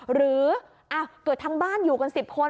หรือเกิดทางบ้านอยู่กัน๑๐คน